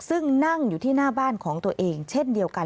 ซึ่งนั่งอยู่ที่หน้าบ้านของตัวเองเช่นเดียวกัน